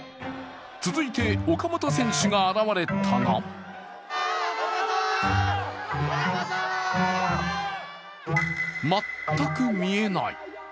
続いて岡本選手が現れたが全く見えない。